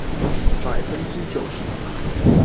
百分之九十